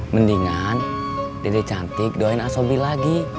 mendingan dede cantik doain asobi lagi